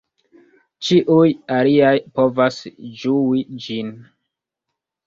Ĉiuj aliaj povas ĝui ĝin.